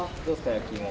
焼き芋。